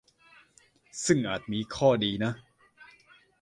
ซึ่งอาจมีข้อดีนะ